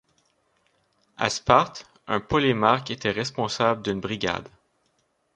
À Sparte, un polémarque était responsable d'une brigade.